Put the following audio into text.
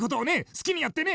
好きにやってね。